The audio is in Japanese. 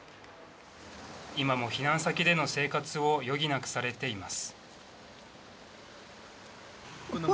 今も避難先での生活を余儀なくされています。